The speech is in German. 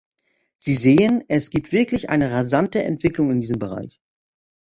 Sie sehen, es gibt wirklich eine rasante Entwicklung in diesem Bereich.